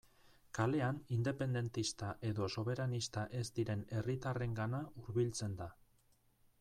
Kalean independentista edo soberanista ez diren herritarrengana hurbiltzen da.